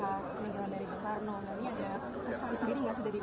namanya ada kesan sendiri gak sih dari bumega